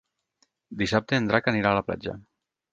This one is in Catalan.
Dissabte en Drac anirà a la platja.